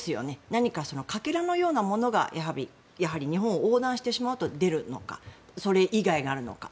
何かかけらのようなものが日本を横断してしまうと出るのかそれ以外があるのか。